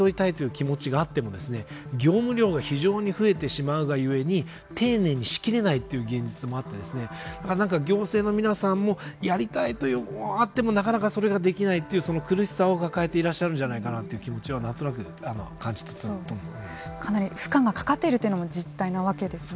本当は一人一人に寄り添いたいという気持ちがあっても業務量が非常に増えてしまうがゆえに丁寧にしきれないという現実もあって行政の皆さんもやりたいということはあってもなかなかそれができないという苦しさを抱えていらっしゃるんじゃないかなという気持ちはかなり負荷がかかっているというのも実態なわけですね。